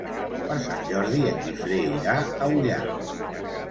Per Sant Jordi en Guifré irà a Ullà.